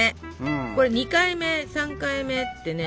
これ２回目３回目ってね